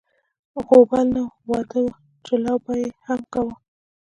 غوبل نه و، واده و چې لو به یې هم کاوه.